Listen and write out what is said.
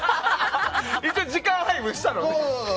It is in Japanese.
一応、時間配分したのね。